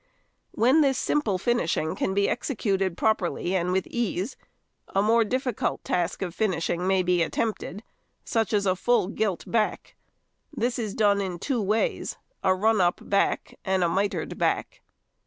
] When this simple finishing can be executed properly and with ease, a more difficult task of finishing may be attempted, such as a full gilt back. This is done in two ways, a "run up" back and a "mitred" back.